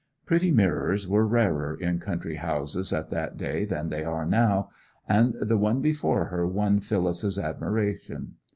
Pretty mirrors were rarer in country houses at that day than they are now, and the one before her won Phyllis's admiration.